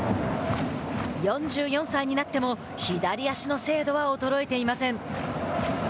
４４歳になっても左足の精度は衰えていません。